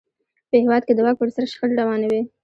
په هېواد کې د واک پر سر شخړې روانې وې.